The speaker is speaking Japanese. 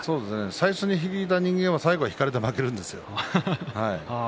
最初に引いた人間は最後に引かれて負けるんですよ。